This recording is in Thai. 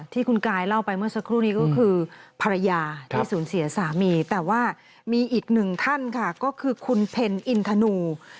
ที่คุณกายเล่าไปเมื่อสักครู่นี้ก็คือภรรยาที่สูญเสียสามีแต่ว่ามีอีกหนึ่งท่านค่ะก็คือคุณเพ็ญอินทนู